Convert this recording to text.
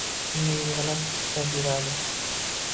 Shunga yigʻlab-siqtab yuradi.